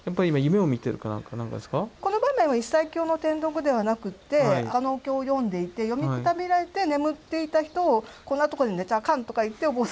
この場面は一切経の転読ではなくって他のお経を読んでいて読みくたびれて眠っていた人を「こんなとこで寝ちゃあかん」とか言ってお坊さんが蹴る。